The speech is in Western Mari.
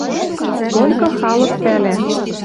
Толькы халык пӓлӓ.